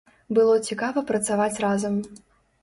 Было цікава працаваць разам.